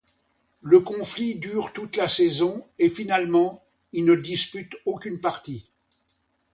Le conflit dure toute la saison et finalement il ne dispute aucune partie.